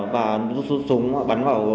và rút súng bắn vào